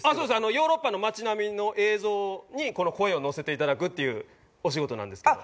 ヨーロッパの街並みの映像に声をのせていただくっていうお仕事なんですけど。